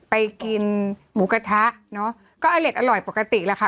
ไปกินหมูกระทะเนาะก็อเล็ดอร่อยปกติแหละค่ะ